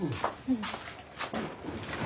うん。